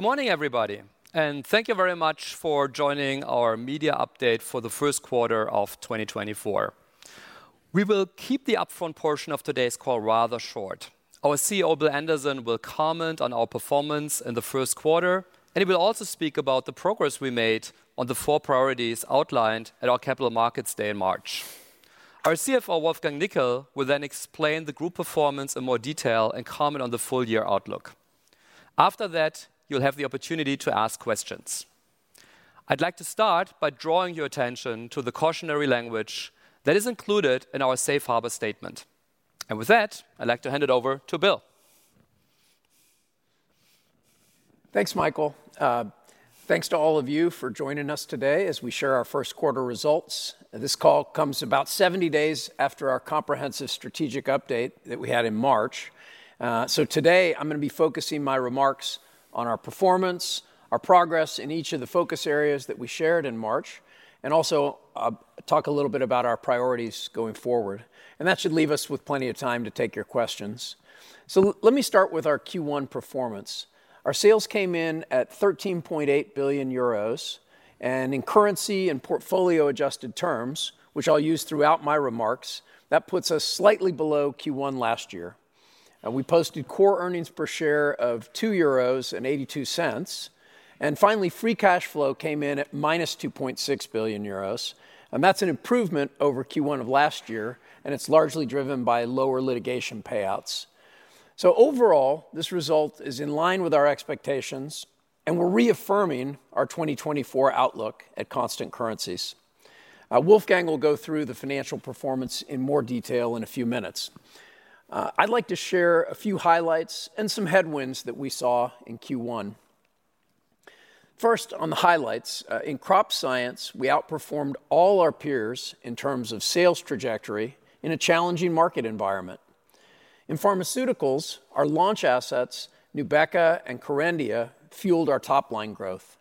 Good morning, everybody, and thank you very much for joining our media update for the Q1 of 2024. We will keep the upfront portion of today's call rather short. Our CEO, Bill Anderson, will comment on our performance in the Q1, and he will also speak about the progress we made on the four priorities outlined at our Capital Markets Day in March. Our CFO, Wolfgang Nickl, will then explain the group performance in more detail and comment on the full-year outlook. After that, you'll have the opportunity to ask questions. I'd like to start by drawing your attention to the cautionary language that is included in our Safe Harbor statement. With that, I'd like to hand it over to Bill. Thanks, Michael. Thanks to all of you for joining us today as we share our Q1 results. This call comes about 70 days after our comprehensive strategic update that we had in March. So today I'm going to be focusing my remarks on our performance, our progress in each of the focus areas that we shared in March, and also, talk a little bit about our priorities going forward. And that should leave us with plenty of time to take your questions. So let me start with our Q1 performance. Our sales came in at 13.8 billion euros, and in currency and portfolio-adjusted terms, which I'll use throughout my remarks, that puts us slightly below Q1 last year. We posted core earnings per share of 2.82 euros. Finally, free cash flow came in at 2.6 billion euros, and that's an improvement over Q1 of last year, and it's largely driven by lower litigation payouts. Overall, this result is in line with our expectations, and we're reaffirming our 2024 outlook at constant currencies. Wolfgang will go through the financial performance in more detail in a few minutes. I'd like to share a few highlights and some headwinds that we saw in Q1. First, on the highlights, in Crop Science, we outperformed all our peers in terms of sales trajectory in a challenging market environment. In Pharmaceuticals, our launch assets, Nubeqa and Kerendia, fueled our top-line growth.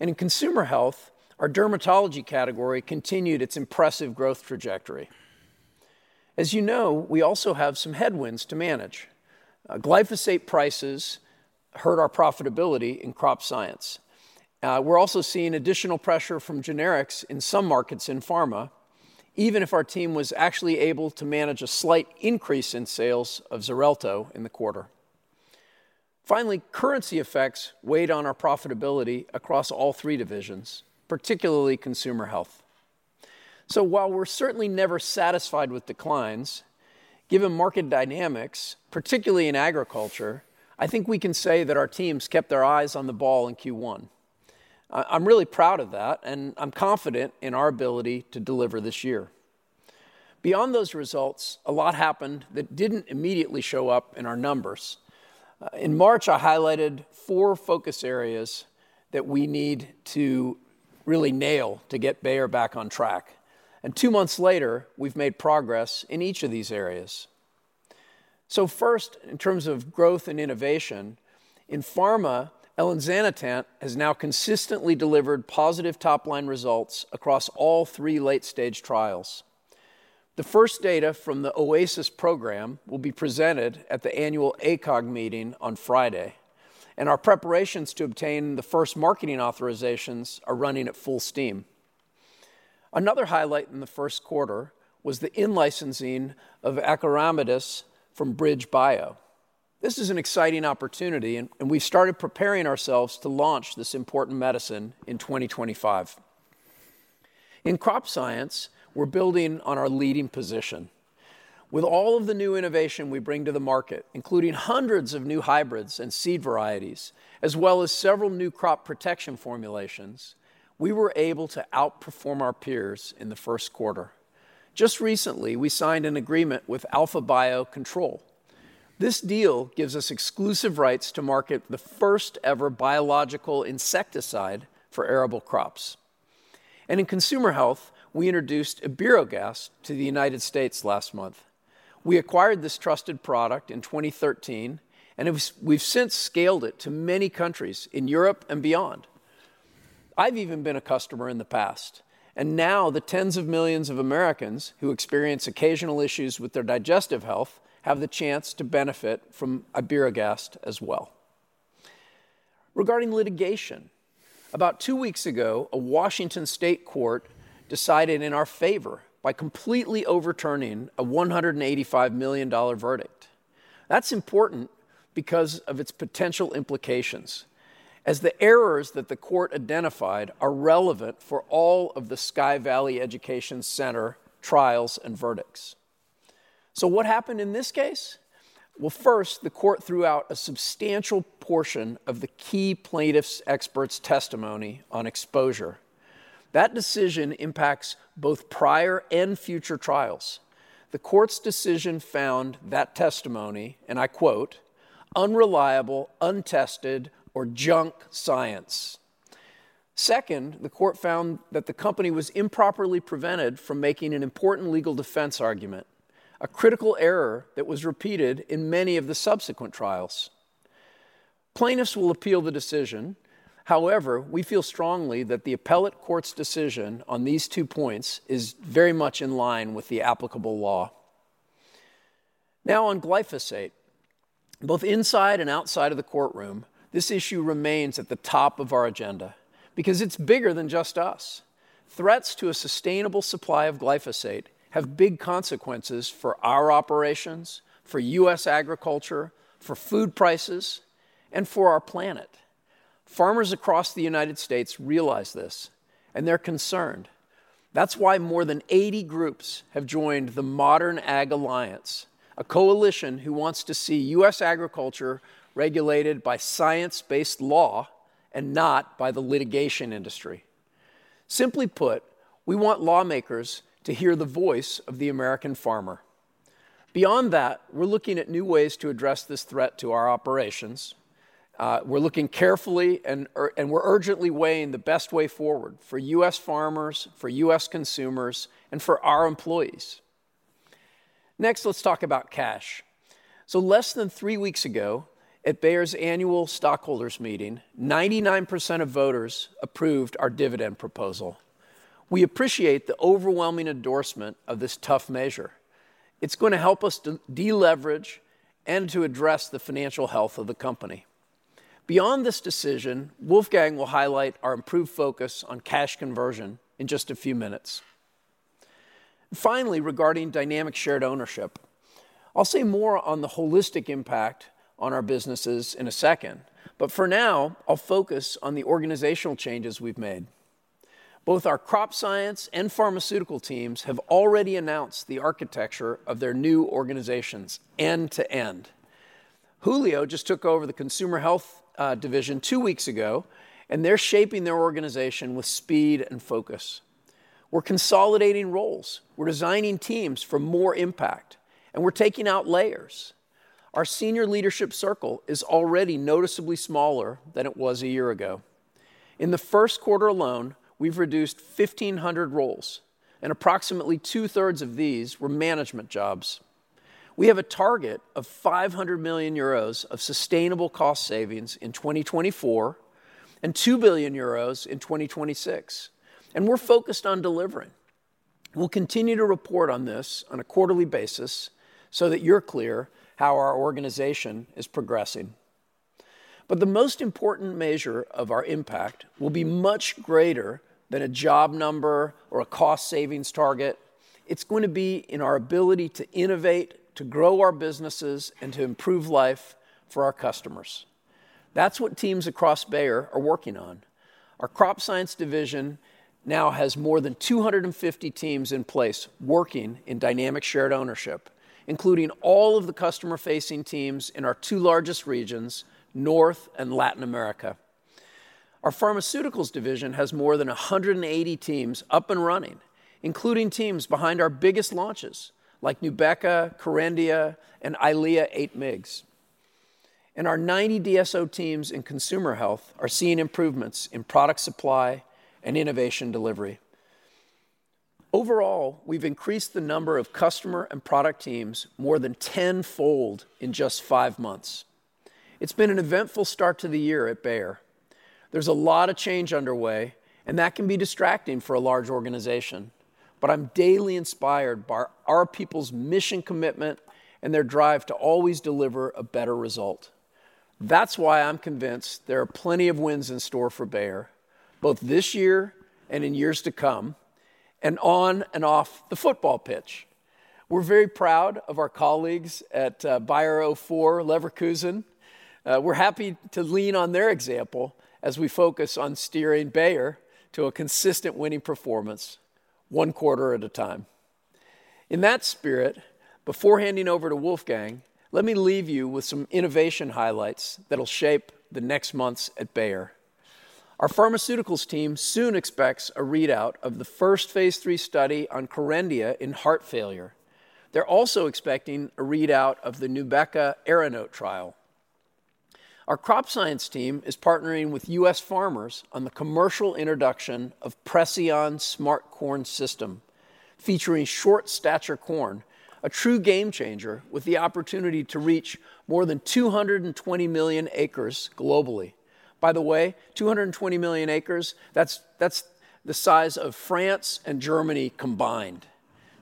And in Consumer Health, our Dermatology category continued its impressive growth trajectory. As you know, we also have some headwinds to manage glyphosate prices hurt our profitability in Crop Science. We're also seeing additional pressure from generics in some markets in pharma, even if our team was actually able to manage a slight increase in sales of Xarelto in the quarter. Finally, currency effects weighed on our profitability across all three divisions, particularly Consumer Health. So while we're certainly never satisfied with declines, given market dynamics, particularly in agriculture, I think we can say that our teams kept their eyes on the ball in Q1. I'm really proud of that, and I'm confident in our ability to deliver this year. Beyond those results, a lot happened that didn't immediately show up in our numbers. In March, I highlighted four focus areas that we need to really nail to get Bayer back on track. Two months later, we've made progress in each of these areas. So first, in terms of growth and innovation, in pharma, elinzanetant has now consistently delivered positive top-line results across all three late-stage trials. The first data from the OASIS program will be presented at the annual ACOG meeting on Friday, and our preparations to obtain the first marketing authorizations are running at full steam. Another highlight in the Q1 was the in-licensing of acoramidis from BridgeBio. This is an exciting opportunity, and we've started preparing ourselves to launch this important medicine in 2025. In Crop Science, we're building on our leading position. With all of the new innovation we bring to the market, including hundreds of new hybrids and seed varieties, as well as several new crop protection formulations, we were able to outperform our peers in the Q1. Just recently, we signed an agreement with AlphaBio Control. This deal gives us exclusive rights to market the first-ever biological insecticide for arable crops. In Consumer Health, we introduced Iberogast to the United States last month. We acquired this trusted product in 2013, and we've since scaled it to many countries in Europe and beyond. I've even been a customer in the past, and now the tens of millions of Americans who experience occasional issues with their digestive health have the chance to benefit from Iberogast as well. Regarding litigation, about two weeks ago, a Washington State court decided in our favor by completely overturning a $185 million verdict. That's important because of its potential implications, as the errors that the court identified are relevant for all of the Sky Valley Education Center trials and verdicts. So what happened in this case? Well, first, the court threw out a substantial portion of the key plaintiff's experts' testimony on exposure. That decision impacts both prior and future trials. The court's decision found that testimony, and I quote, "unreliable, untested, or junk science." Second, the court found that the company was improperly prevented from making an important legal defense argument, a critical error that was repeated in many of the subsequent trials. Plaintiffs will appeal the decision. However, we feel strongly that the appellate court's decision on these two points is very much in line with the applicable law. Now, on glyphosate, both inside and outside of the courtroom, this issue remains at the top of our agenda because it's bigger than just us. Threats to a sustainable supply of glyphosate have big consequences for our operations, for U.S. agriculture, for food prices, and for our planet. Farmers across the United States realize this, and they're concerned. That's why more than 80 groups have joined the Modern Ag Alliance, a coalition who wants to see U.S. agriculture regulated by science-based law and not by the litigation industry. Simply put, we want lawmakers to hear the voice of the American farmer. Beyond that, we're looking at new ways to address this threat to our operations. We're looking carefully, and we're urgently weighing the best way forward for U.S. farmers, for U.S. consumers, and for our employees. Next, let's talk about cash. So less than 3 weeks ago, at Bayer's annual stockholders' meeting, 99% of voters approved our dividend proposal. We appreciate the overwhelming endorsement of this tough measure. It's going to help us to de-leverage and to address the financial health of the company. Beyond this decision, Wolfgang will highlight our improved focus on cash conversion in just a few minutes. Finally, regarding dynamic shared ownership, I'll say more on the holistic impact on our businesses in a second, but for now, I'll focus on the organizational changes we've made. Both our Crop Science and Pharmaceutical teams have already announced the architecture of their new organizations end to end. Julio just took over the Consumer Health division two weeks ago, and they're shaping their organization with speed and focus. We're consolidating roles. We're designing teams for more impact, and we're taking out layers. Our senior leadership circle is already noticeably smaller than it was a year ago. In the Q1 alone, we've reduced 1,500 roles, and approximately two-thirds of these were management jobs. We have a target of 500 million euros of sustainable cost savings in 2024 and 2 billion euros in 2026, and we're focused on delivering. We'll continue to report on this on a quarterly basis so that you're clear how our organization is progressing. But the most important measure of our impact will be much greater than a job number or a cost savings target. It's going to be in our ability to innovate, to grow our businesses, and to improve life for our customers. That's what teams across Bayer are working on. Our Crop Science division now has more than 250 teams in place working in Dynamic Shared Ownership, including all of the customer-facing teams in our two largest regions, North and Latin America. Our Pharmaceuticals division has more than 180 teams up and running, including teams behind our biggest launches like Nubeqa, Kerendia, and Eylea 8 mg. Our 90 DSO teams in Consumer Health are seeing improvements in product supply and innovation delivery. Overall, we've increased the number of customer and product teams more than tenfold in just five months. It's been an eventful start to the year at Bayer. There's a lot of change underway, and that can be distracting for a large organization, but I'm daily inspired by our people's mission commitment and their drive to always deliver a better result. That's why I'm convinced there are plenty of wins in store for Bayer, both this year and in years to come, and on and off the football pitch. We're very proud of our colleagues at Bayer 04 Leverkusen. We're happy to lean on their example as we focus on steering Bayer to a consistent winning performance, one quarter at a time. In that spirit, before handing over to Wolfgang, let me leave you with some innovation highlights that'll shape the next months at Bayer. Our Pharmaceuticals team soon expects a readout of the first phase III study on Kerendia in heart failure. They're also expecting a readout of the Nubeqa ARANOTE trial. Our Crop Science team is partnering with U.S. farmers on the commercial introduction of Preceon Smart Corn System, featuring Short Stature Corn, a true game-changer with the opportunity to reach more than 220 million acres globally. By the way, 220 million acres, that's the size of France and Germany combined,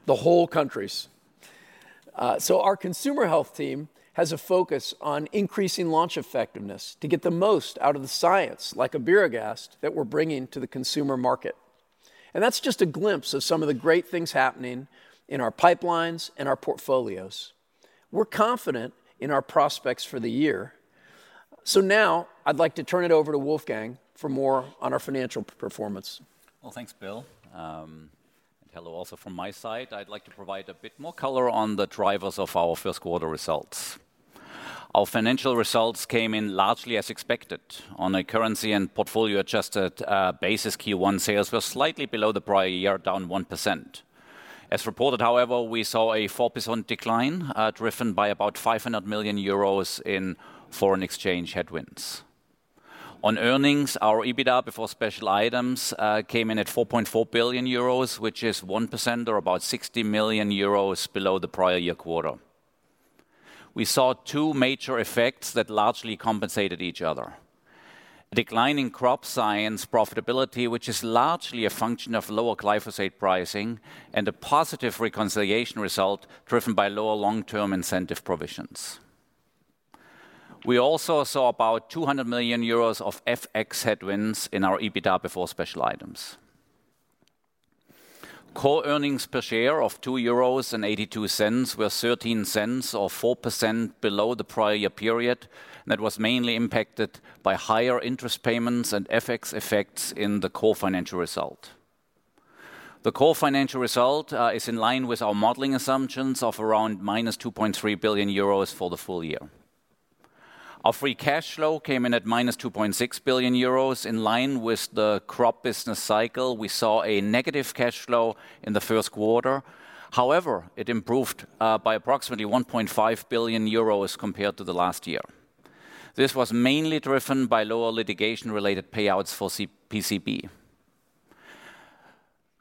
the whole countries. Our Consumer Health team has a focus on increasing launch effectiveness to get the most out of the science like Iberogast that we're bringing to the consumer market. That's just a glimpse of some of the great things happening in our pipelines and our portfolios. We're confident in our prospects for the year. So now I'd like to turn it over to Wolfgang for more on our financial performance. Well, thanks, Bill. And hello also from my side. I'd like to provide a bit more color on the drivers of our Q1 results. Our financial results came in largely as expected. On a currency- and portfolio-adjusted basis, Q1 sales were slightly below the prior year, down 1%. As reported, however, we saw a 4% decline, driven by about 500 million euros in foreign exchange headwinds. On earnings, our EBITDA before special items came in at 4.4 billion euros, which is 1% or about 60 million euros below the prior year quarter. We saw two major effects that largely compensated each other: a decline in Crop Science profitability, which is largely a function of lower glyphosate pricing, and a positive reconciliation result driven by lower long-term incentive provisions. We also saw about 200 million euros of FX headwinds in our EBITDA before special items. Core earnings per share of 2.82 euros were 0.13, or 4% below the prior year period, and that was mainly impacted by higher interest payments and FX effects in the core financial result. The core financial result is in line with our modeling assumptions of around 2.3 billion euros for the full year. Our free cash flow came in at 2.6 billion euros, in line with the crop business cycle. We saw a negative cash flow in the Q1. However, it improved by approximately 1.5 billion euros compared to the last year. This was mainly driven by lower litigation-related payouts for PCB.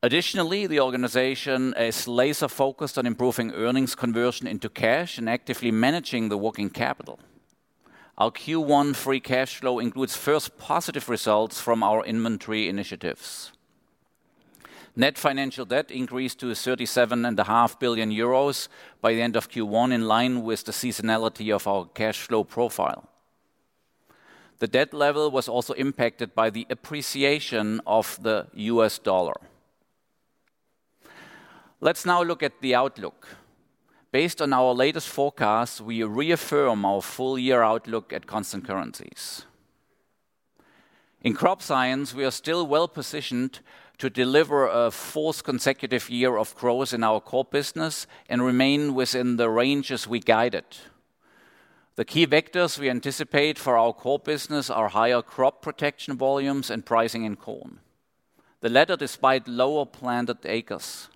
Additionally, the organization is laser-focused on improving earnings conversion into cash and actively managing the working capital. Our Q1 free cash flow includes first positive results from our inventory initiatives. Net financial debt increased to 37.5 billion euros by the end of Q1, in line with the seasonality of our cash flow profile. The debt level was also impacted by the appreciation of the U.S. dollar. Let's now look at the outlook. Based on our latest forecast, we reaffirm our full-year outlook at constant currencies. In Crop Science, we are still well-positioned to deliver a fourth consecutive year of growth in our core business and remain within the ranges we guided. The key vectors we anticipate for our core business are higher crop protection volumes and pricing in corn, the latter despite lower planted acres.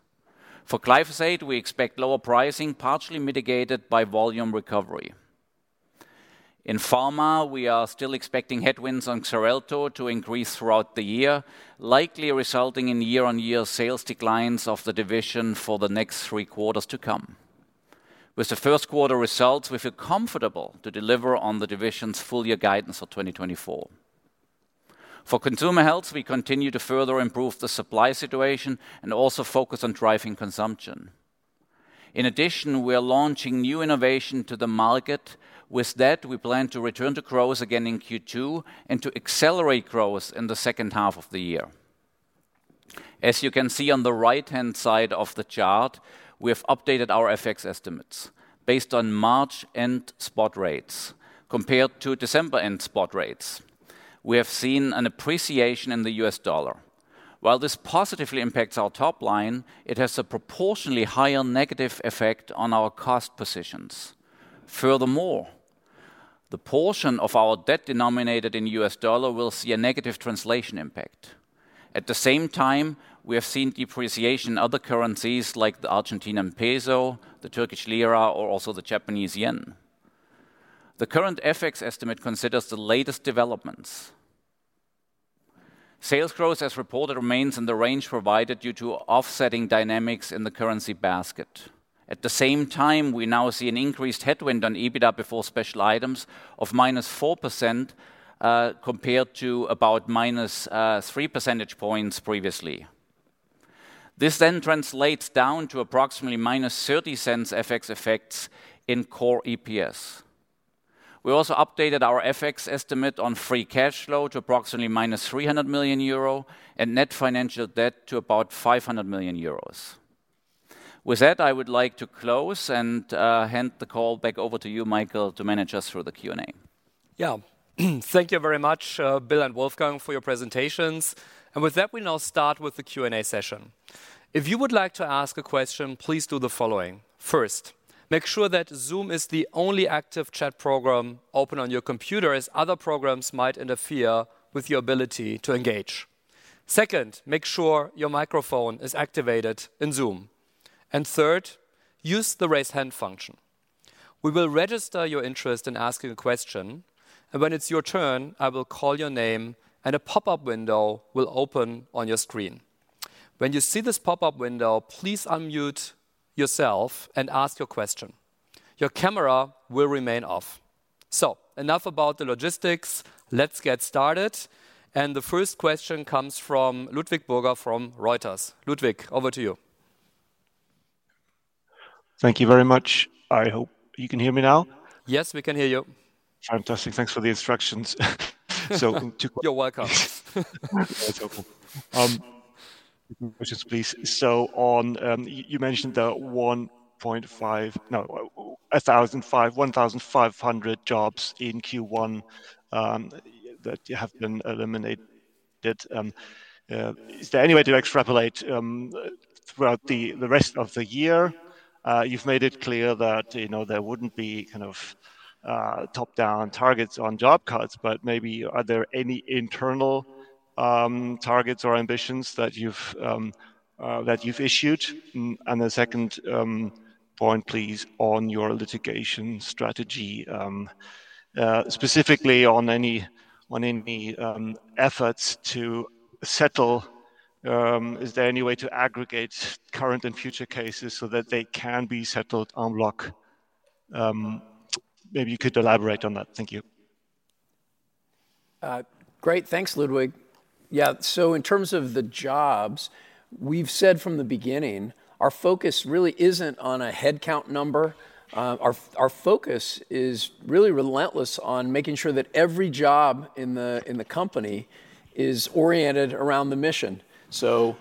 For glyphosate, we expect lower pricing, partially mitigated by volume recovery. In pharma, we are still expecting headwinds on Xarelto to increase throughout the year, likely resulting in year-on-year sales declines of the division for the next three quarters to come. With the Q1 results, we feel comfortable to deliver on the division's full-year guidance for 2024. For Consumer Health, we continue to further improve the supply situation and also focus on driving consumption. In addition, we are launching new innovation to the market. With that, we plan to return to growth again in Q2 and to accelerate growth in the H2 of the year. As you can see on the right-hand side of the chart, we have updated our FX estimates based on March-end spot rates compared to December-end spot rates. We have seen an appreciation in the U.S. dollar. While this positively impacts our top line, it has a proportionally higher negative effect on our cost positions. Furthermore, the portion of our debt denominated in U.S. dollar will see a negative translation impact. At the same time, we have seen depreciation in other currencies like the Argentinian peso, the Turkish lira, or also the Japanese yen. The current FX estimate considers the latest developments. Sales growth, as reported, remains in the range provided due to offsetting dynamics in the currency basket. At the same time, we now see an increased headwind on EBITDA before special items of -4%, compared to about -3 percentage points previously. This then translates down to approximately -0.30 FX effects in core EPS. We also updated our FX estimate on free cash flow to approximately -300 million euro and net financial debt to about 500 million euros. With that, I would like to close and hand the call back over to you, Michael, to manage us through the Q&A. Yeah, thank you very much, Bill and Wolfgang, for your presentations. And with that, we now start with the Q&A session. If you would like to ask a question, please do the following. First, make sure that Zoom is the only active chat program open on your computers, as other programs might interfere with your ability to engage. Second, make sure your microphone is activated in Zoom. And third, use the raise hand function. We will register your interest in asking a question, and when it's your turn, I will call your name, and a pop-up window will open on your screen. When you see this pop-up window, please unmute yourself and ask your question. Your camera will remain off. So enough about the logistics. Let's get started. The first question comes from Ludwig Burger from Reuters. Ludwig, over to you. Thank you very much. I hope you can hear me now. Yes, we can hear you. Fantastic. Thanks for the instructions. So too quick. You're welcome. That's okay. Questions, please. So, on, you mentioned the 1.5, no, 1,005, 1,500 jobs in Q1 that have been eliminated. Is there any way to extrapolate throughout the rest of the year? You've made it clear that, you know, there wouldn't be kind of top-down targets on job cuts, but maybe are there any internal targets or ambitions that you've, that you've issued? And the second point, please, on your litigation strategy, specifically on any, on any efforts to settle, is there any way to aggregate current and future cases so that they can be settled en bloc? Maybe you could elaborate on that. Thank you. Great. Thanks, Ludwig. Yeah, so in terms of the jobs, we've said from the beginning our focus really isn't on a headcount number. Our focus is really relentless on making sure that every job in the company is oriented around the mission. So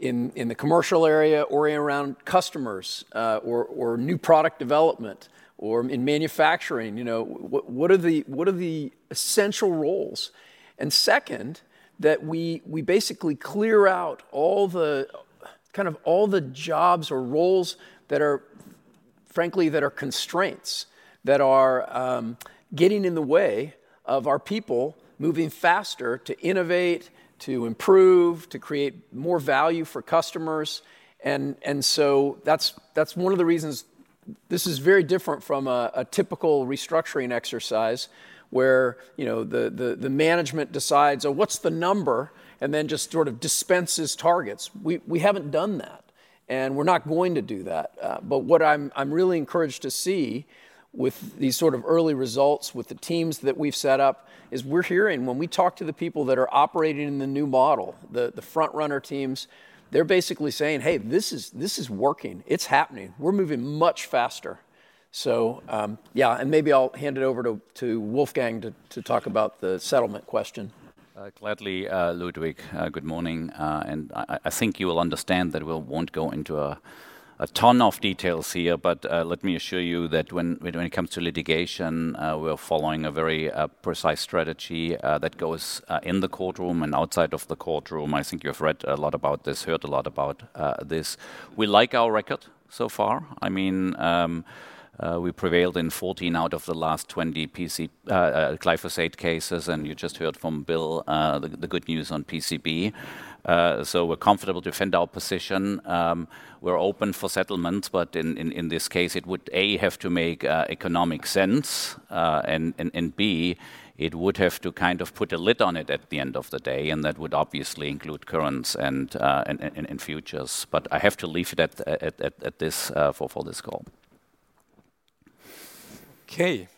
in the commercial area, oriented around customers, or new product development, or in manufacturing, you know, what are the what are the essential roles? And second, that we basically clear out all the kind of all the jobs or roles that are, frankly, that are constraints that are, getting in the way of our people moving faster to innovate, to improve, to create more value for customers. And so that's one of the reasons this is very different from a typical restructuring exercise where, you know, the management decides, "Oh, what's the number?" and then just sort of dispenses targets. We haven't done that, and we're not going to do that. But what I'm really encouraged to see with these sort of early results with the teams that we've set up is we're hearing when we talk to the people that are operating in the new model, the frontrunner teams, they're basically saying, "Hey, this is working. It's happening. We're moving much faster." So, yeah, and maybe I'll hand it over to Wolfgang to talk about the settlement question. Gladly, Ludwig. Good morning. And I think you will understand that we won't go into a ton of details here, but let me assure you that when it comes to litigation, we're following a very precise strategy that goes in the courtroom and outside of the courtroom. I think you've read a lot about this, heard a lot about this. We like our record so far. I mean, we prevailed in 14 out of the last 20 PCB glyphosate cases, and you just heard from Bill the good news on PCB. So we're comfortable to defend our position. We're open for settlement, but in this case, it would A, have to make economic sense, and B, it would have to kind of put a lid on it at the end of the day, and that would obviously include currents and futures. But I have to leave it at this for this call. Okay.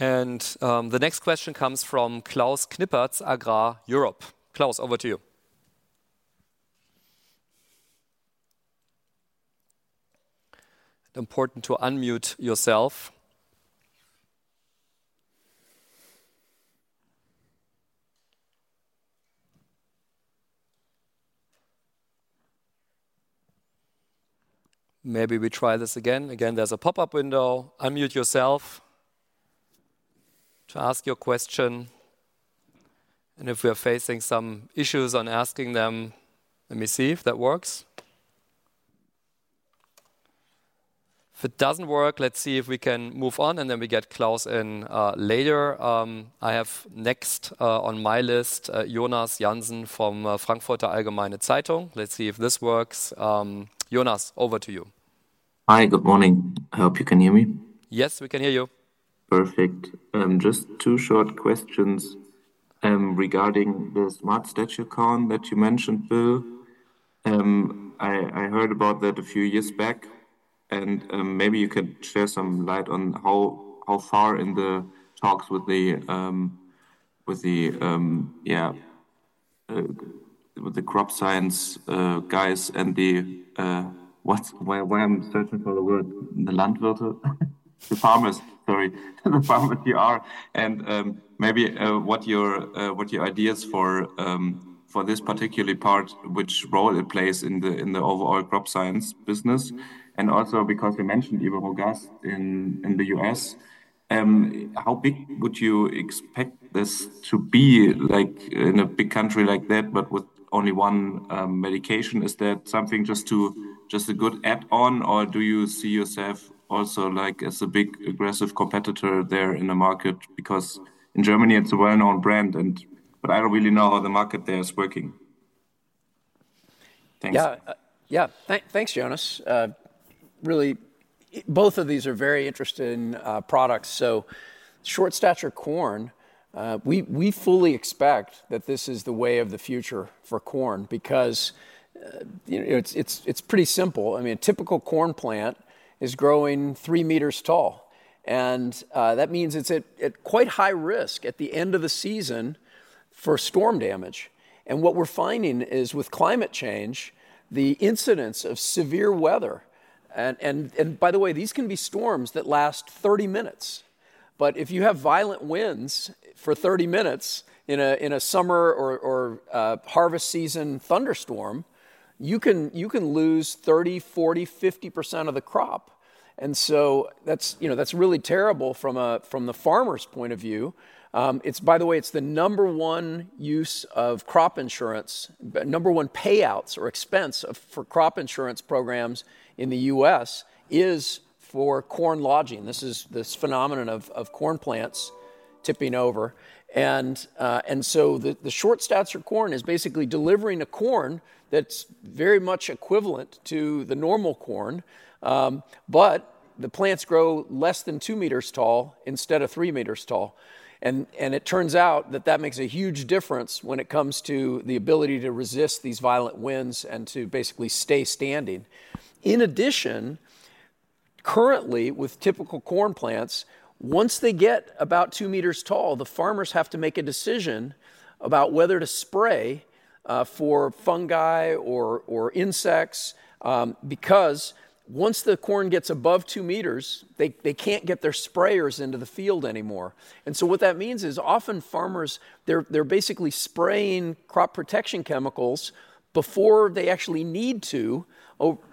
And the next question comes from Klaus Knipprath, Agra Europe. Klaus, over to you. Important to unmute yourself. Maybe we try this again. Again, there's a pop-up window. Unmute yourself to ask your question. And if we're facing some issues on asking them, let me see if that works. If it doesn't work, let's see if we can move on, and then we get Klaus in later. I have next on my list Jonas Jansen from Frankfurter Allgemeine Zeitung. Let's see if this works. Jonas, over to you. Hi, good morning. I hope you can hear me. Yes, we can hear you. Perfect. Just two short questions regarding the Short Stature Corn that you mentioned, Bill. I heard about that a few years back, and maybe you could shed some light on how far in the talks with the, yeah, with the Crop Science guys and the what's why I'm searching for the word the landwirt, the farmer's, sorry, the farmer's PR. And maybe what your ideas are for this particular part, which role it plays in the overall Crop Science business. And also, because you mentioned Iberogast in the US, how big would you expect this to be, like, in a big country like that, but with only one medication? Is that something just to just a good add-on, or do you see yourself also, like, as a big aggressive competitor there in the market? Because in Germany, it's a well-known brand, but I don't really know how the market there is working. Thanks. Yeah, yeah, thanks, Jonas. Really, both of these are very interesting products. So Short Stature Corn, we fully expect that this is the way of the future for corn because, you know, it's pretty simple. I mean, a typical corn plant is growing 3 meters tall, and that means it's at quite high risk at the end of the season for storm damage. And what we're finding is, with climate change, the incidence of severe weather - and by the way, these can be storms that last 30 minutes - but if you have violent winds for 30 minutes in a summer or harvest season thunderstorm, you can lose 30%, 40%, 50% of the crop. And so that's, you know, that's really terrible from the farmer's point of view. By the way, it's the number one use of crop insurance, number one payouts or expense for crop insurance programs in the U.S. is for corn lodging. This is this phenomenon of corn plants tipping over. And so the Short Stature Corn is basically delivering a corn that's very much equivalent to the normal corn, but the plants grow less than 2 meters tall instead of 3 meters tall. And it turns out that that makes a huge difference when it comes to the ability to resist these violent winds and to basically stay standing. In addition, currently, with typical corn plants, once they get about 2 meters tall, the farmers have to make a decision about whether to spray for fungi or insects. Because once the corn gets above 2 meters, they can't get their sprayers into the field anymore. And so what that means is, often, farmers, they're basically spraying crop protection chemicals before they actually need to,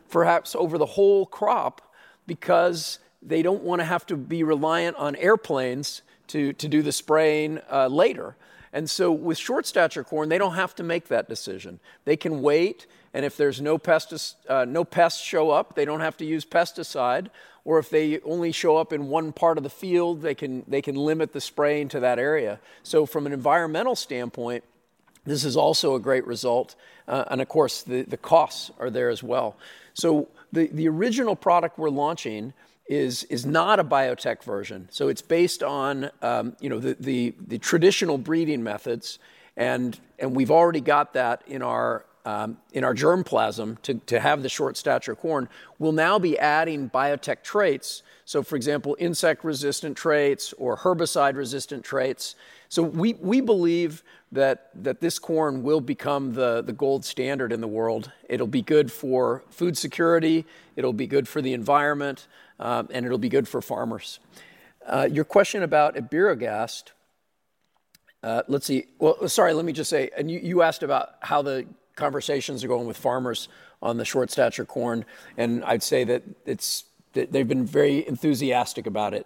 perhaps over the whole crop, because they don't want to have to be reliant on airplanes to do the spraying later. And so with Short Stature Corn, they don't have to make that decision. They can wait, and if there's no pests show up, they don't have to use pesticide. Or if they only show up in one part of the field, they can limit the spraying to that area. So from an environmental standpoint, this is also a great result. And of course, the costs are there as well. So the original product we're launching is not a biotech version, so it's based on, you know, the traditional breeding methods. And we've already got that in our germplasm to have the Short Stature Corn. We'll now be adding biotech traits. So, for example, insect-resistant traits or herbicide-resistant traits. So we believe that this corn will become the gold standard in the world. It'll be good for food security. It'll be good for the environment, and it'll be good for farmers. Your question about Iberogast, let's see. Well, sorry, let me just say, and you asked about how the conversations are going with farmers on the Short Stature Corn. I'd say that they've been very enthusiastic about it.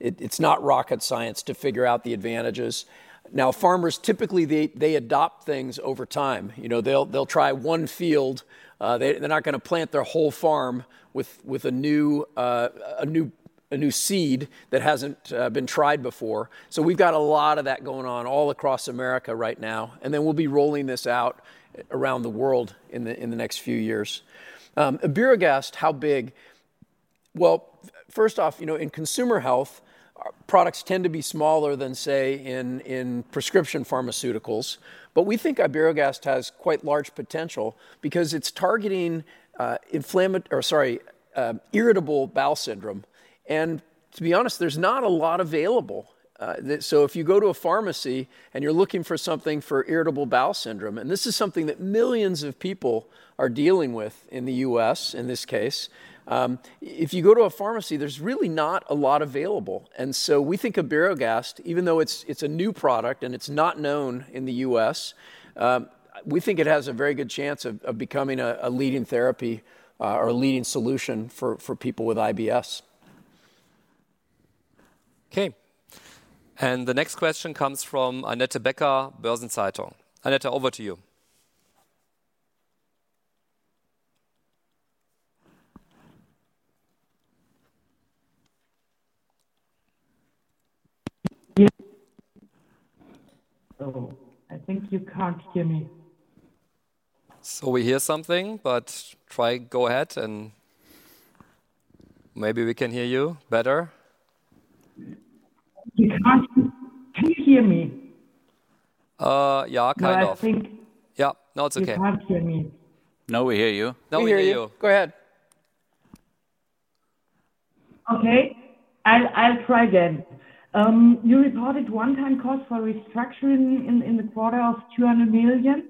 It's not rocket science to figure out the advantages. Now, farmers, typically, they adopt things over time. You know, they'll try one field. They're not going to plant their whole farm with a new seed that hasn't been tried before. So we've got a lot of that going on all across America right now, and then we'll be rolling this out around the world in the next few years. Iberogast, how big? Well, first off, you know, in Consumer Health, products tend to be smaller than, say, in prescription Pharmaceuticals. But we think Iberogast has quite large potential because it's targeting inflammatory or, sorry, irritable bowel syndrome. And to be honest, there's not a lot available. So if you go to a pharmacy and you're looking for something for irritable bowel syndrome (and this is something that millions of people are dealing with in the U.S. in this case) if you go to a pharmacy, there's really not a lot available. And so we think Iberogast, even though it's a new product and it's not known in the U.S., we think it has a very good chance of becoming a leading therapy or a leading solution for people with IBS. Okay. And the next question comes from Annette Becker, Börsen-Zeitung. Annette, over to you. Yes. Oh, I think you can't hear me. So we hear something, but try, go ahead, and maybe we can hear you better. You can't hear me? Yeah, kind of. But I think. Yeah, no, it's okay. You can't hear me. No, we hear you. No, we hear you. Go ahead. Okay. I'll try then. You reported one-time costs for restructuring in the quarter of 200 million,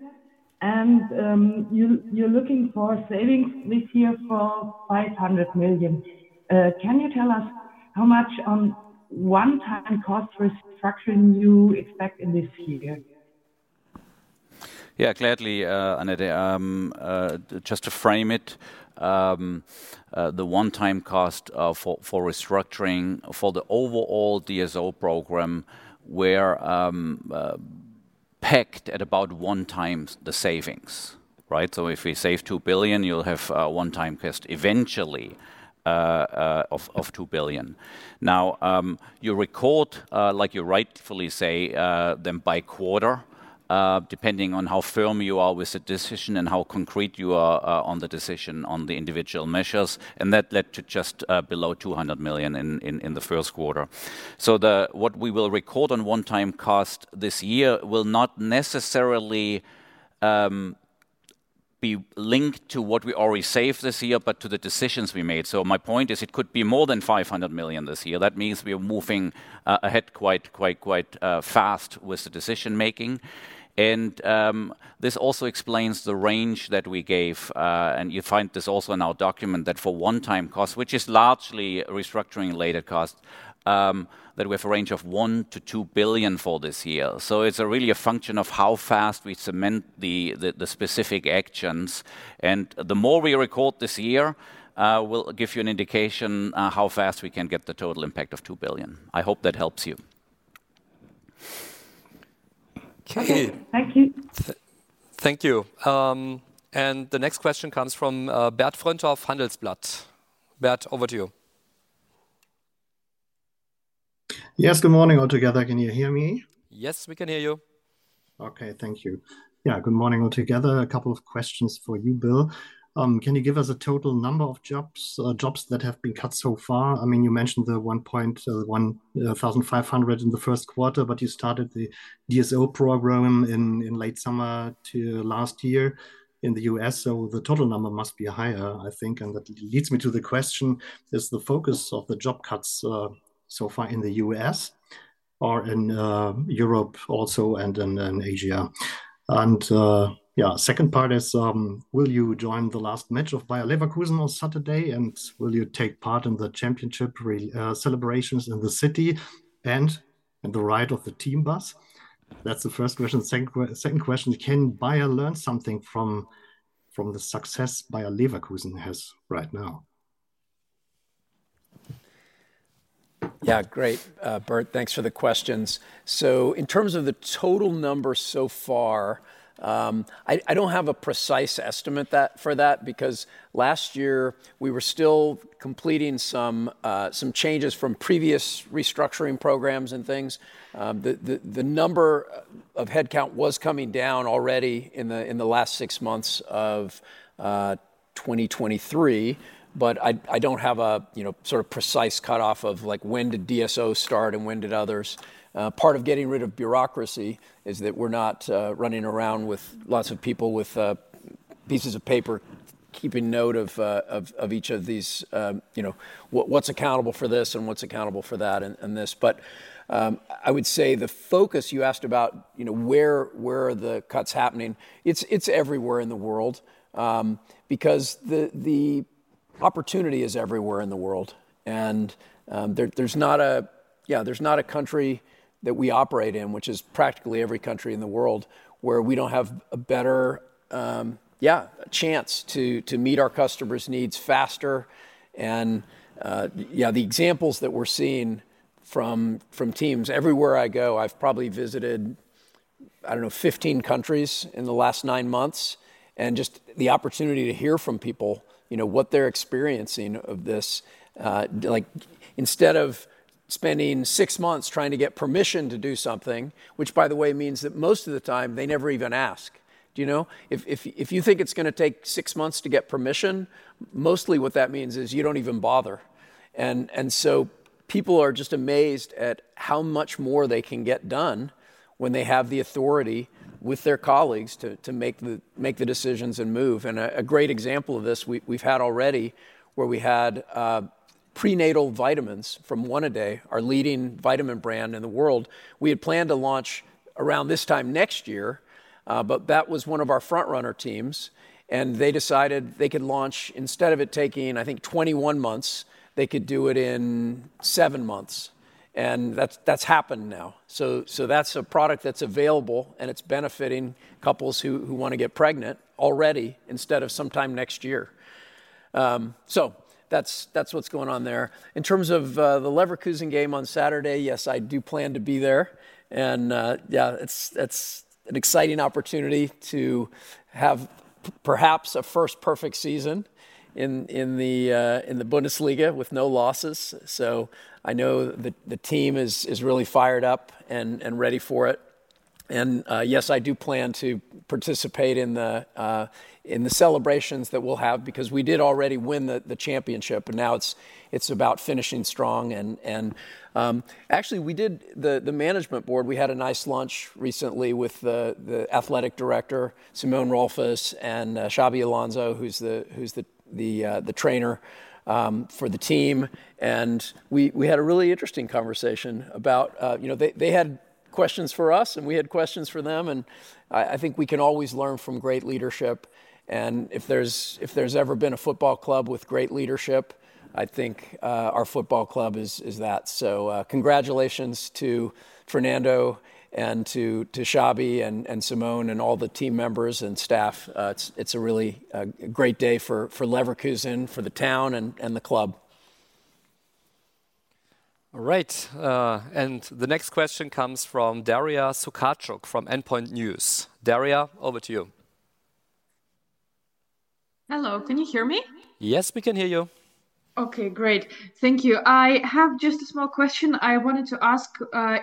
and you're looking for savings this year for 500 million. Can you tell us how much on one-time cost restructuring you expect in this year? Yeah, gladly, Annette. Just to frame it, the one-time cost for restructuring for the overall DSO program were pegged at about one time the savings, right? So if we save 2 billion, you'll have one-time cost eventually of 2 billion. Now, you record, like you rightfully say, them by quarter, depending on how firm you are with the decision and how concrete you are on the decision on the individual measures. And that led to just below 200 million in the Q1. So what we will record on one-time cost this year will not necessarily be linked to what we already saved this year, but to the decisions we made. So my point is, it could be more than 500 million this year. That means we are moving ahead quite fast with the decision-making. And this also explains the range that we gave. And you find this also in our document that for one-time cost, which is largely restructuring-related cost, that we have a range of 1 billion-2 billion for this year. So it's really a function of how fast we cement the specific actions. And the more we record this year will give you an indication how fast we can get the total impact of 2 billion. I hope that helps you. Okay. Thank you. Thank you. And the next question comes from Bert Fröndhoff, Handelsblatt. Bert, over to you. Yes, good morning altogether. Can you hear me? Yes, we can hear you. Okay, thank you. Yeah, good morning altogether. A couple of questions for you, Bill. Can you give us a total number of jobs that have been cut so far? I mean, you mentioned the 1,500 in the Q1, but you started the DSO program in late summer last year in the US. So the total number must be higher, I think. And that leads me to the question: Is the focus of the job cuts so far in the US or in Europe also and in Asia? And yeah, the second part is: Will you join the last match of Bayer Leverkusen on Saturday? And will you take part in the championship celebrations in the city and in the ride of the team bus? That's the first question. Second question: Can Bayer learn something from the success Bayer Leverkusen has right now? Yeah, great, Bert. Thanks for the questions. So in terms of the total number so far, I don't have a precise estimate for that because last year we were still completing some changes from previous restructuring programs and things. The number of headcount was coming down already in the last six months of 2023, but I don't have a sort of precise cutoff of when did DSO start and when did others. Part of getting rid of bureaucracy is that we're not running around with lots of people with pieces of paper keeping note of each of these, you know, what's accountable for this and what's accountable for that and this. But I would say the focus you asked about, you know, where are the cuts happening? It's everywhere in the world because the opportunity is everywhere in the world. There's not a country that we operate in, which is practically every country in the world, where we don't have a better, yeah, chance to meet our customers' needs faster. Yeah, the examples that we're seeing from teams everywhere I go, I've probably visited, I don't know, 15 countries in the last 9 months. Just the opportunity to hear from people, you know, what they're experiencing of this. Like, instead of spending 6 months trying to get permission to do something, which, by the way, means that most of the time they never even ask, do you know? If you think it's going to take 6 months to get permission, mostly what that means is you don't even bother. So people are just amazed at how much more they can get done when they have the authority with their colleagues to make the decisions and move. A great example of this we've had already where we had prenatal vitamins from One A Day, our leading vitamin brand in the world. We had planned to launch around this time next year, but that was one of our frontrunner teams. They decided they could launch, instead of it taking, I think, 21 months, they could do it in 7 months. That's happened now. So that's a product that's available, and it's benefiting couples who want to get pregnant already instead of sometime next year. So that's what's going on there. In terms of the Leverkusen game on Saturday, yes, I do plan to be there. Yeah, it's an exciting opportunity to have perhaps a first perfect season in the Bundesliga with no losses. So I know the team is really fired up and ready for it. Yes, I do plan to participate in the celebrations that we'll have because we did already win the championship, and now it's about finishing strong. Actually, we did the management board. We had a nice lunch recently with the athletic director, Simon Rolfes, and Xabi Alonso, who's the trainer for the team. We had a really interesting conversation about, you know, they had questions for us, and we had questions for them. I think we can always learn from great leadership. If there's ever been a football club with great leadership, I think our football club is that. So congratulations to Fernando and to Xabi and Simon and all the team members and staff. It's a really great day for Leverkusen, for the town, and the club. All right. And the next question comes from Daria Sukharchuk from Endpoints News. Daria, over to you. Hello. Can you hear me? Yes, we can hear you. Okay, great. Thank you. I have just a small question I wanted to ask.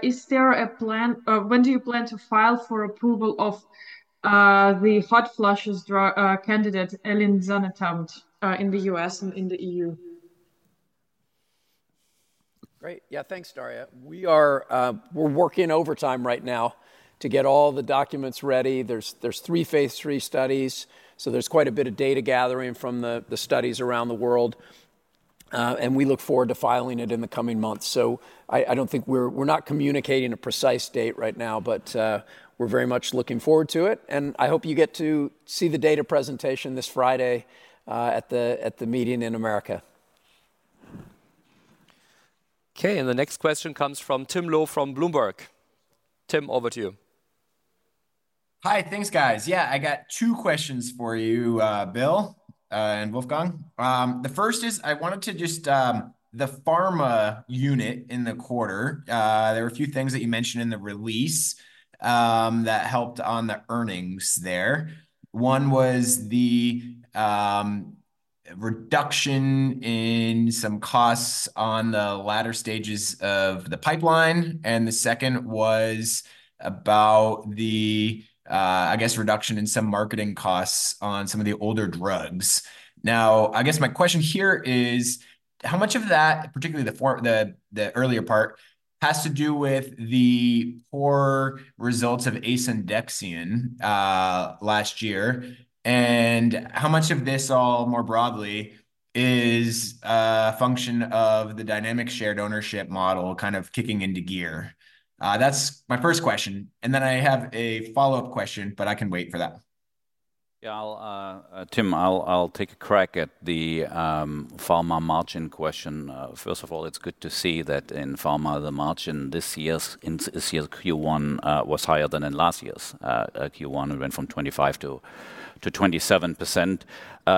Is there a plan when do you plan to file for approval of the hot flushes candidate, elinzanetant, in the US and in the EU? Great. Yeah, thanks, Daria. We're working overtime right now to get all the documents ready. There's three phase III studies, so there's quite a bit of data gathering from the studies around the world. And we look forward to filing it in the coming months. So I don't think we're not communicating a precise date right now, but we're very much looking forward to it. And I hope you get to see the data presentation this Friday at the meeting in America. Okay. And the next question comes from Tim Loh from Bloomberg. Tim, over to you. Hi, thanks, guys. Yeah, I got two questions for you, Bill and Wolfgang. The first is I wanted to just the pharma unit in the quarter. There were a few things that you mentioned in the release that helped on the earnings there. One was the reduction in some costs on the latter stages of the pipeline. And the second was about the, I guess, reduction in some marketing costs on some of the older drugs. Now, I guess my question here is how much of that, particularly the earlier part, has to do with the poor results of asundexian last year? And how much of this all, more broadly, is a function of the Dynamic Shared Ownership model kind of kicking into gear? That's my first question. And then I have a follow-up question, but I can wait for that. Yeah, Tim, I'll take a crack at the pharma margin question. First of all, it's good to see that in pharma, the margin this year's Q1 was higher than in last year's Q1. It went from 25%-27%.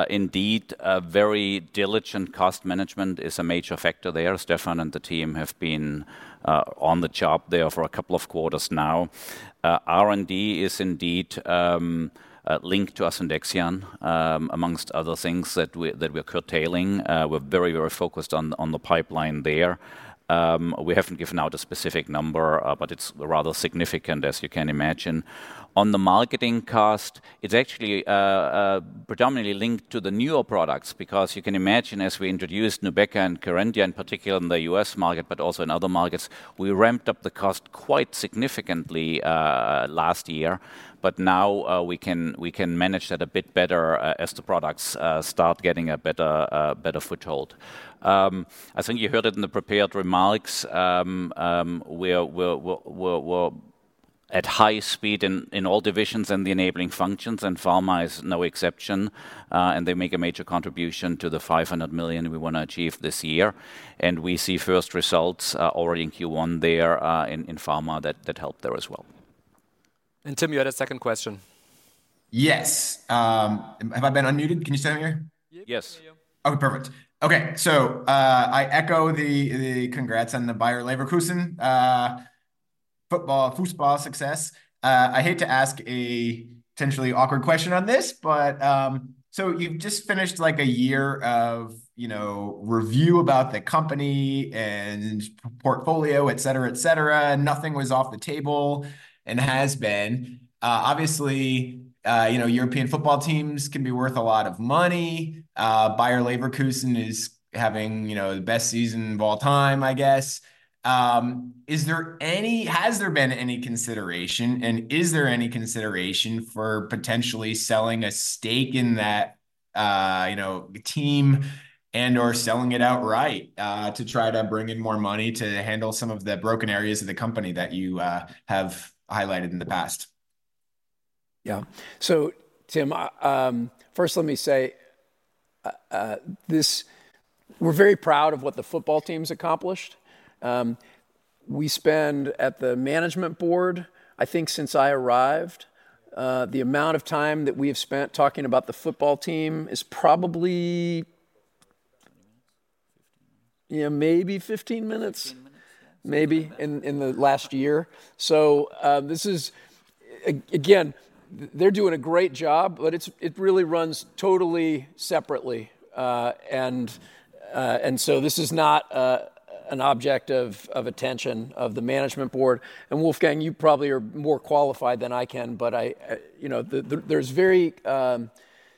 Indeed, very diligent cost management is a major factor there. Stefan and the team have been on the job there for a couple of quarters now. R&D is indeed linked to asundexian, among other things that we're curtailing. We're very, very focused on the pipeline there. We haven't given out a specific number, but it's rather significant, as you can imagine. On the marketing cost, it's actually predominantly linked to the newer products because you can imagine, as we introduced Nubeqa and Kerendia in particular in the U.S. market, but also in other markets, we ramped up the cost quite significantly last year. But now we can manage that a bit better as the products start getting a better foothold. I think you heard it in the prepared remarks. We're at high speed in all divisions and the enabling functions, and pharma is no exception. And they make a major contribution to the 500 million we want to achieve this year. And we see first results already in Q1 there in pharma that help there as well. And Tim, you had a second question. Yes. Have I been unmuted? Can you see me here? Yes. Okay, perfect. Okay, so I echo the congrats on the Bayer Leverkusen football, Fußball success. I hate to ask a potentially awkward question on this, but so you've just finished like a year of review about the company and portfolio, etc., etc. Nothing was off the table and has been. Obviously, European football teams can be worth a lot of money. Bayer Leverkusen is having the best season of all time, I guess. Has there been any consideration, and is there any consideration for potentially selling a stake in that team and/or selling it outright to try to bring in more money to handle some of the broken areas of the company that you have highlighted in the past? Yeah. So Tim, first, let me say we're very proud of what the football team's accomplished. We spend at the management board, I think, since I arrived, the amount of time that we have spent talking about the football team is probably... Yeah, maybe 15 minutes. Maybe in the last year. So this is, again, they're doing a great job, but it really runs totally separately. And so this is not an object of attention of the management board. And Wolfgang, you probably are more qualified than I can, but there's very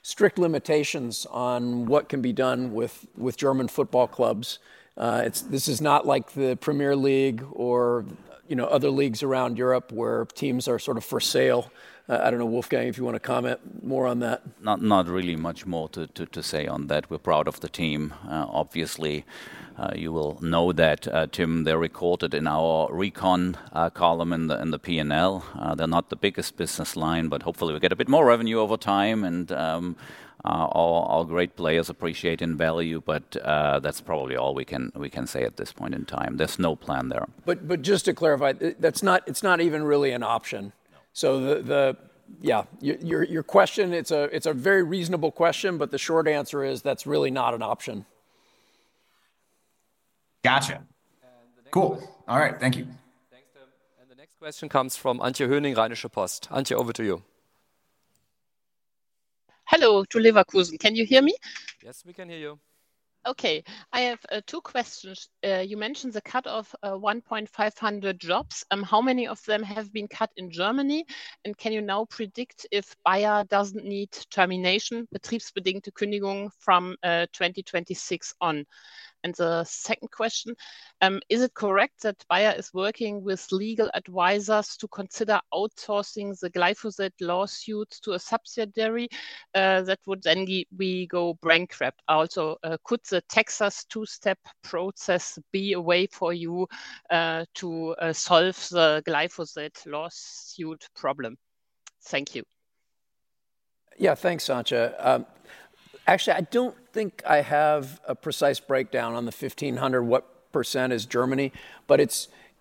strict limitations on what can be done with German football clubs. This is not like the Premier League or other leagues around Europe where teams are sort of for sale. I don't know, Wolfgang, if you want to comment more on that. Not really much more to say on that. We're proud of the team, obviously. You will know that, Tim, they're recorded in our recon column in the P&L. They're not the biggest business line, but hopefully we get a bit more revenue over time, and our great players appreciate in value. But that's probably all we can say at this point in time. There's no plan there. But just to clarify, it's not even really an option. So yeah, your question, it's a very reasonable question, but the short answer is that's really not an option. Gotcha. Cool. All right. Thank you. Thanks, Tim. And the next question comes from Antje Höning, Rheinische Post. Antje, over to you. Hello, to Leverkusen. Can you hear me? Yes, we can hear you. Okay. I have two questions. You mentioned the cut of 1,500 jobs. How many of them have been cut in Germany? And can you now predict if Bayer doesn't need termination, betriebsbedingte Kündigung, from 2026 on? The second question, is it correct that Bayer is working with legal advisors to consider outsourcing the glyphosate lawsuits to a subsidiary that would then go bankrupt? Also, could the Texas two-step process be a way for you to solve the glyphosate lawsuit problem? Thank you. Yeah, thanks, Antje. Actually, I don't think I have a precise breakdown on the 1,500, what % is Germany, but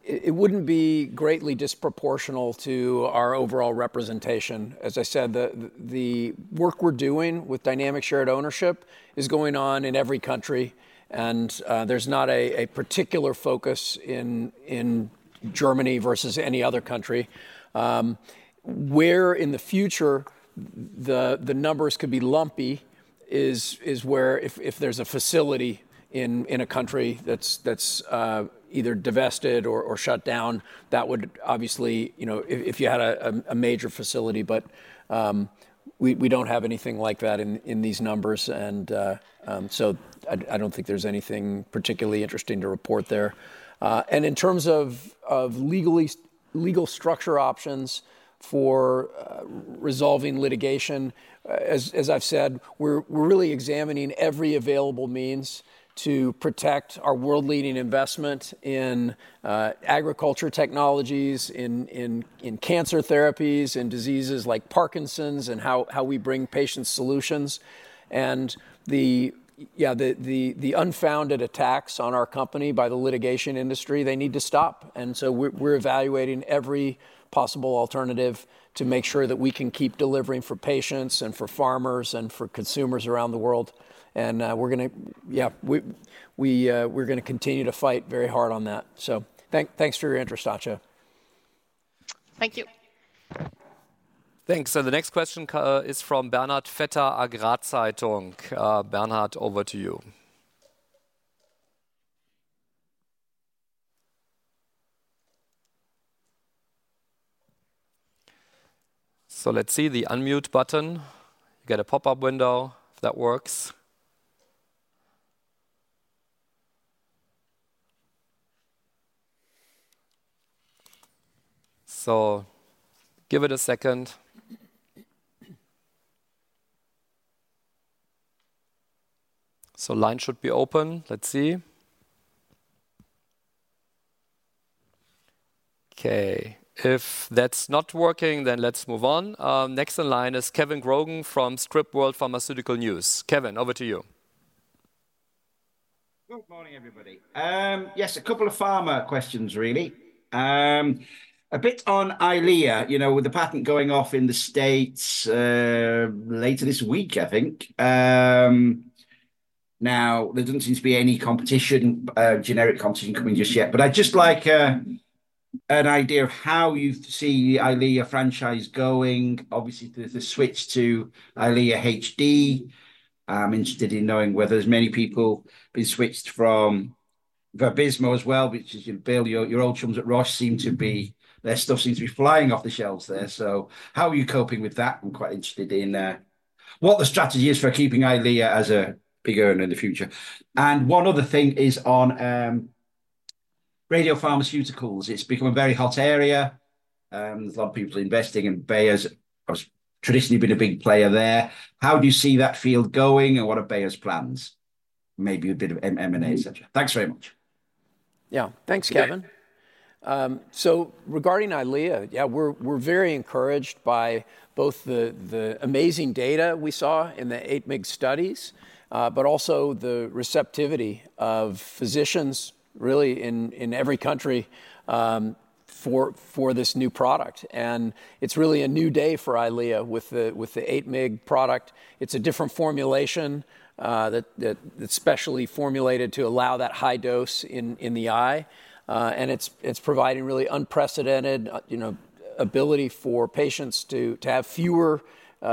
it wouldn't be greatly disproportional to our overall representation. As I said, the work we're doing with Dynamic Shared Ownership is going on in every country, and there's not a particular focus in Germany versus any other country. Where in the future the numbers could be lumpy is where if there's a facility in a country that's either divested or shut down, that would obviously, you know, if you had a major facility, but we don't have anything like that in these numbers. And so I don't think there's anything particularly interesting to report there. And in terms of legal structure options for resolving litigation, as I've said, we're really examining every available means to protect our world-leading investment in agriculture technologies, in cancer therapies, in diseases like Parkinson's, and how we bring patients solutions. And yeah, the unfounded attacks on our company by the litigation industry, they need to stop. And so we're evaluating every possible alternative to make sure that we can keep delivering for patients and for farmers and for consumers around the world. And we're going to, yeah, we're going to continue to fight very hard on that. So thanks for your interest, Antje. Thank you. Thanks. And the next question is from Bernhard Vetter, Agrarzeitung. Bernhard, over to you. So let's see the unmute button. You get a pop-up window, if that works. So give it a second. So line should be open. Let's see. Okay. If that's not working, then let's move on. Next in line is Kevin Grogan from Scrip. Kevin, over to you. Good morning, everybody. Yes, a couple of pharma questions, really. A bit on Eylea, you know, with the patent going off in the States later this week, I think. Now, there doesn't seem to be any competition, generic competition, coming just yet. But I'd just like an idea of how you see the Eylea franchise going. Obviously, there's a switch to Eylea HD. I'm interested in knowing whether there's many people being switched from Vabysmo as well, which is, you know, Bill, your old chums at Roche seem to be their stuff seems to be flying off the shelves there. So how are you coping with that? I'm quite interested in what the strategy is for keeping Eylea as a big earner in the future. And one other thing is on radiopharmaceuticals. It's become a very hot area. There's a lot of people investing, and Bayer's traditionally been a big player there. How do you see that field going, and what are Bayer's plans? Maybe a bit of M&A, etc. Thanks very much. Yeah, thanks, Kevin. So regarding Eylea, yeah, we're very encouraged by both the amazing data we saw in the 8 mg studies, but also the receptivity of physicians, really, in every country for this new product. And it's really a new day for Eylea with the 8 mg product. It's a different formulation that's specially formulated to allow that high dose in the eye. It's providing really unprecedented ability for patients to have fewer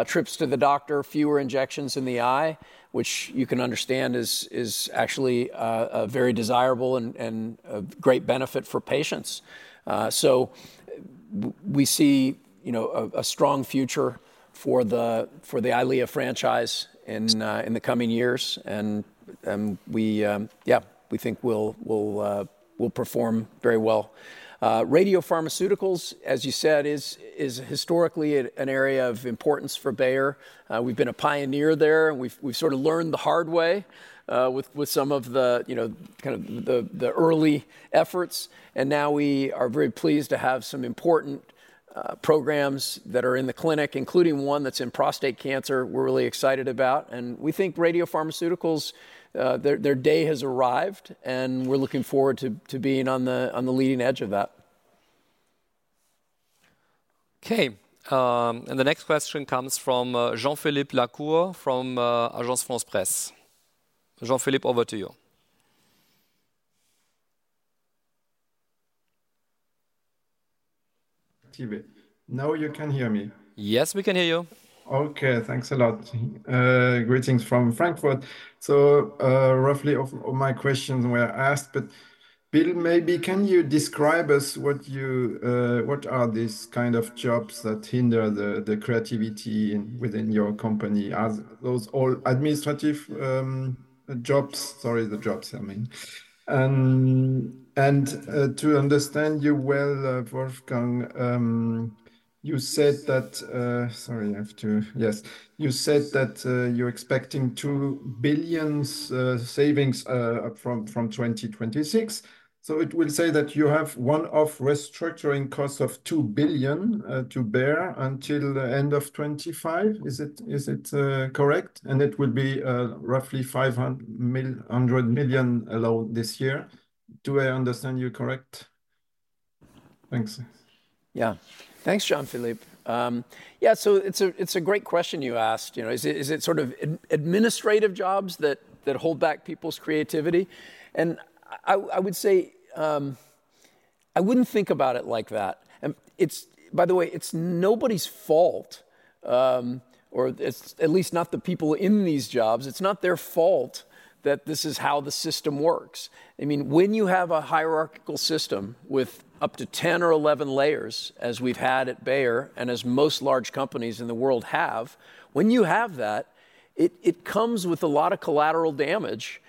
trips to the doctor, fewer injections in the eye, which you can understand is actually very desirable and a great benefit for patients. So we see a strong future for the Eylea franchise in the coming years. Yeah, we think we'll perform very well radiopharmaceuticals, as you said, is historically an area of importance for Bayer. We've been a pioneer there. We've sort of learned the hard way with some of the kind of the early efforts. Now we are very pleased to have some important programs that are in the clinic, including one that's in prostate cancer we're really excited about. We think radiopharmaceuticals, their day has arrived, and we're looking forward to being on the leading edge of that. Okay. The next question comes from Jean-Philippe Lacour from Agence France-Presse. Jean-Philippe, over to you. Now you can hear me. Yes, we can hear you. Okay, thanks a lot. Greetings from Frankfurt. So roughly all my questions were asked. But Bill, maybe can you describe us what are these kind of jobs that hinder the creativity within your company? Are those all administrative jobs? Sorry, the jobs, I mean. And to understand you well, Wolfgang, you said that you're expecting 2 billion savings from 2026. So it will say that you have one-off restructuring cost of 2 billion to bear until the end of 2025. Is it correct? And it will be roughly 500 million alone this year. Do I understand you correct? Thanks. Yeah. Thanks, Jean-Philippe. Yeah, so it's a great question you asked. Is it sort of administrative jobs that hold back people's creativity? And I would say I wouldn't think about it like that. And by the way, it's nobody's fault, or at least not the people in these jobs. It's not their fault that this is how the system works. I mean, when you have a hierarchical system with up to 10 or 11 layers, as we've had at Bayer and as most large companies in the world have, when you have that, it comes with a lot of collateral damage.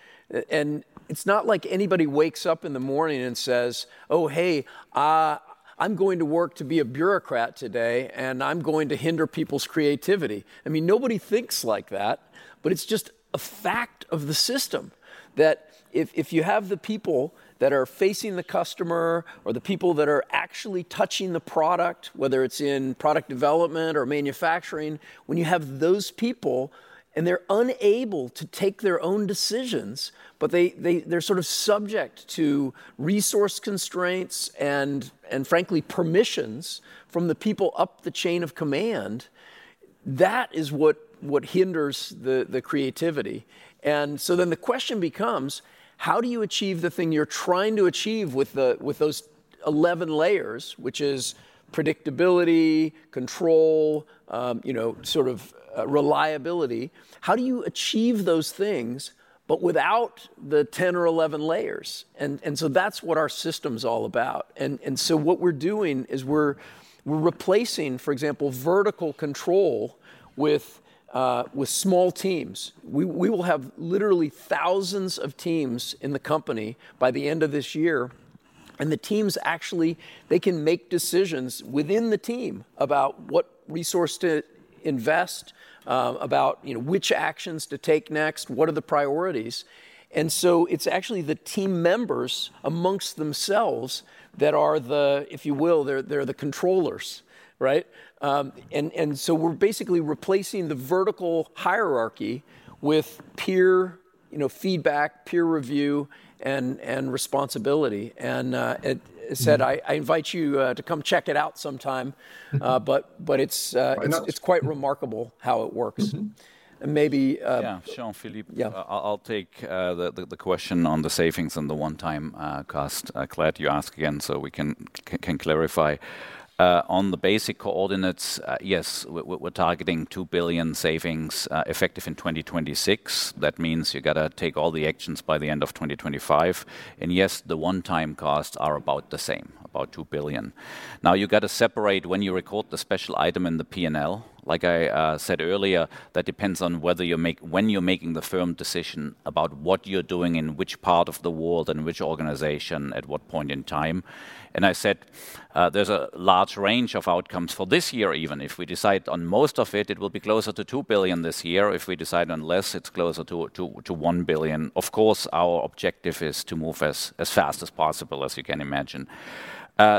And it's not like anybody wakes up in the morning and says, "Oh, hey, I'm going to work to be a bureaucrat today, and I'm going to hinder people's creativity." I mean, nobody thinks like that. But it's just a fact of the system that if you have the people that are facing the customer or the people that are actually touching the product, whether it's in product development or manufacturing, when you have those people and they're unable to take their own decisions, but they're sort of subject to resource constraints and, frankly, permissions from the people up the chain of command, that is what hinders the creativity. And so then the question becomes, how do you achieve the thing you're trying to achieve with those 11 layers, which is predictability, control, sort of reliability? How do you achieve those things but without the 10 or 11 layers? And so that's what our system's all about. And so what we're doing is we're replacing, for example, vertical control with small teams. We will have literally thousands of teams in the company by the end of this year. The teams actually, they can make decisions within the team about what resource to invest, about which actions to take next, what are the priorities. It's actually the team members among themselves that are the, if you will, they're the controllers, right? We're basically replacing the vertical hierarchy with peer feedback, peer review, and responsibility. As said, I invite you to come check it out sometime. But it's quite remarkable how it works. Yeah, Jean-Philippe, I'll take the question on the savings and the one-time cost. Claire, do you ask again so we can clarify? On the basic coordinates, yes, we're targeting 2 billion savings effective in 2026. That means you got to take all the actions by the end of 2025. And yes, the one-time costs are about the same, about 2 billion. Now, you got to separate when you record the special item in the P&L. Like I said earlier, that depends on whether you're making the firm decision about what you're doing in which part of the world and which organization at what point in time. I said there's a large range of outcomes for this year even. If we decide on most of it, it will be closer to 2 billion this year. If we decide on less, it's closer to 1 billion. Of course, our objective is to move as fast as possible, as you can imagine.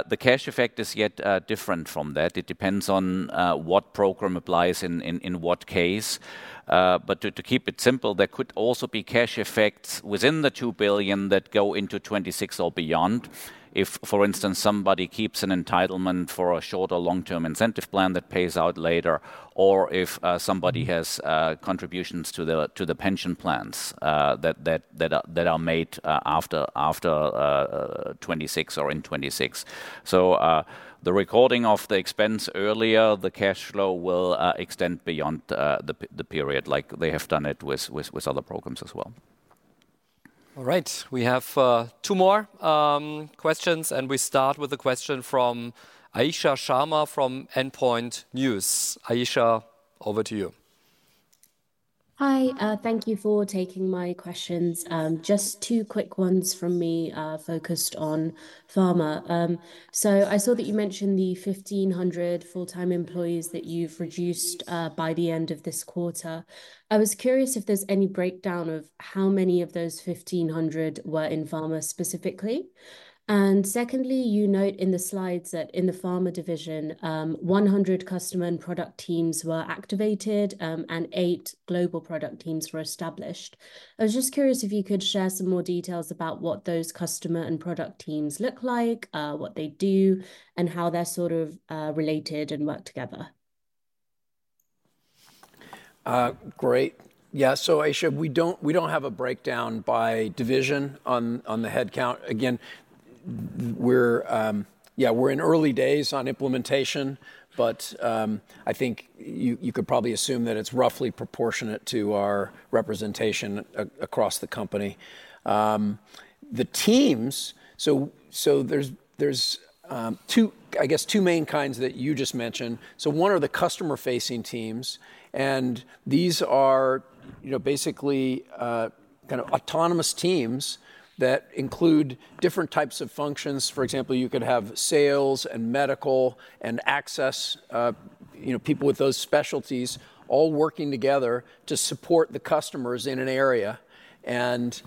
The cash effect is yet different from that. It depends on what program applies in what case. But to keep it simple, there could also be cash effects within the 2 billion that go into 2026 or beyond. If, for instance, somebody keeps an entitlement for a short or long-term incentive plan that pays out later, or if somebody has contributions to the pension plans that are made after 2026 or in 2026. So the recording of the expense earlier, the cash flow will extend beyond the period, like they have done it with other programs as well. All right. We have two more questions. We start with a question from Ayisha Sharma from Endpoints News. Ayisha, over to you. Hi. Thank you for taking my questions. Just two quick ones from me focused on pharma. So I saw that you mentioned the 1,500 full-time employees that you've reduced by the end of this quarter. I was curious if there's any breakdown of how many of those 1,500 were in pharma specifically. And secondly, you note in the slides that in the pharma division, 100 customer and product teams were activated and 8 global product teams were established. I was just curious if you could share some more details about what those customer and product teams look like, what they do, and how they're sort of related and work together. Great. Yeah, so Ayisha, we don't have a breakdown by division on the headcount. Again, yeah, we're in early days on implementation. But I think you could probably assume that it's roughly proportionate to our representation across the company. The teams, so there's 2, I guess, 2 main kinds that you just mentioned. So one are the customer-facing teams. And these are basically kind of autonomous teams that include different types of functions. For example, you could have sales and medical and access people with those specialties all working together to support the customers in an area. And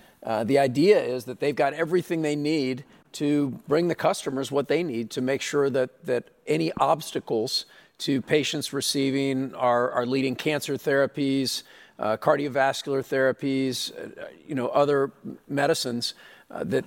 the idea is that they've got everything they need to bring the customers what they need to make sure that any obstacles to patients receiving our leading cancer therapies, cardiovascular therapies, other medicines, that.